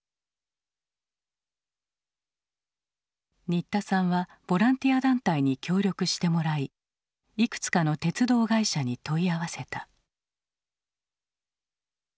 新田さんはボランティア団体に協力してもらいいくつかの鉄道会社に問い合わせた。